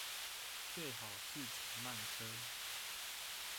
最好是乘慢車